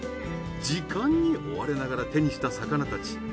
時間に追われながら手にした魚たち。